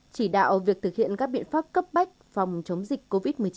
chỉ đạo việc thực hiện các biện pháp cấp bách phòng chống dịch covid một mươi chín